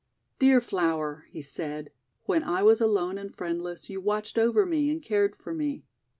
:<Dear Flower," he said, 'when I was alone and friendless you watched over me, and cared for me.